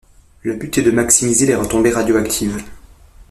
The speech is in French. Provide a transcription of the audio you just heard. Le but est de maximiser les retombées radioactives.